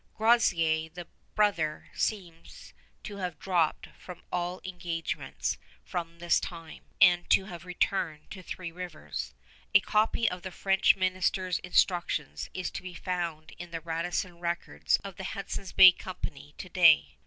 Groseillers, the brother, seems to have dropped from all engagements from this time, and to have returned to Three Rivers. A copy of the French minister's instructions is to be found in the Radisson records of the Hudson's Bay Company to day.